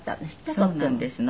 そうなんですの。